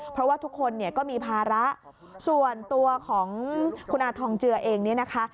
เพราะว่าทุกคนเนี่ยก็มีภาระส่วนตัวของคุณอาทองเจือเองเนี่ยนะคะ